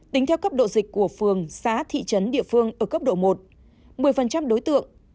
tính theo cấp độ dịch của phường xã thị trấn địa phương ở cấp độ một một mươi đối tượng